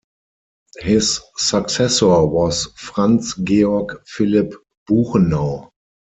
His successor was Franz Georg Philipp Buchenau.